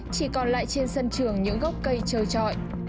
chỉ còn lại trên sân trường những gốc cây trơ trọi